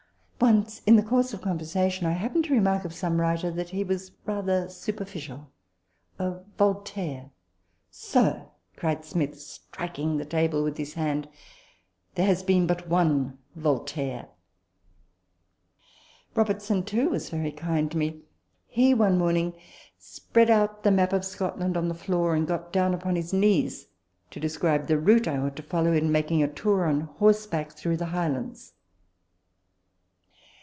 Once, in the course of conversa tion, I happened to remark of some writer, that " he was rather superficial a Voltaire." " Sir," cried Smith, striking the table with his hand, " there has been but one Voltaire !" Robertson, too, was very kind to me. He, one morning, spread out the map of Scotland on the floor, and got upon his knees, to describe the route I ought to follow in making a tour on horseback through the Highlands.